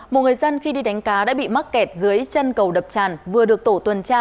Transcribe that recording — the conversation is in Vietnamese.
một người dân khi đi đánh cá đã bị mắc kẹt dưới chân cầu đập tràn vừa được tổ tuần tra